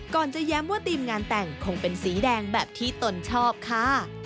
จะแย้มว่าทีมงานแต่งคงเป็นสีแดงแบบที่ตนชอบค่ะ